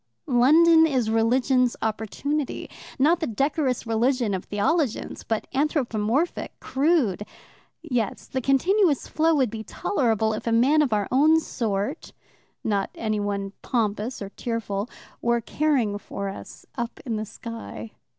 London is religion's opportunity not the decorous religion of theologians, but anthropomorphic, crude. Yes, the continuous flow would be tolerable if a man of our own sort not anyone pompous or tearful were caring for us up in the sky.